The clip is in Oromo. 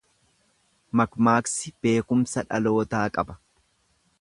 Mammaaksi beekumsa dhalootaa qaba.